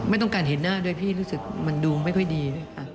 ไม่ต้องการเห็นหน้าด้วยรู้สึกมันดูไม่ค่อยดี